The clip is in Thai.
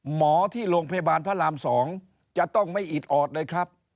หมอที่โรงพยาบาลพระราม๒จะต้องไม่อิดออดเลยครับ